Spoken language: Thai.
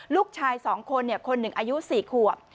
ลูกชาย๒คนคนหนึ่งอายุ๔ขวบ